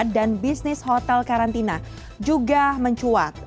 dan bisnis hotel karantina juga mencuat